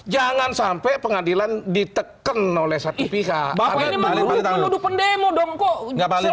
jangan sampai pengadilan ditekan oleh satu pihak bapaknya menurut pendemo dong kok nggak paling